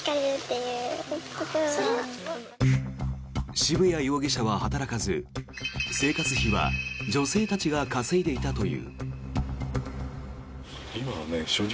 渋谷容疑者は働かず、生活費は女性たちが稼いでいたという。